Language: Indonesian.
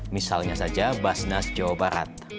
misalnya saja basnas jawa barat